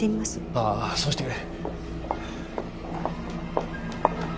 ああそうしてくれ。